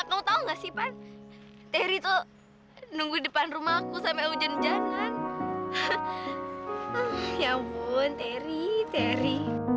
kau tahu enggak sih pak dari tuh nunggu depan rumahku sampai hujan jangan ya ampun teri teri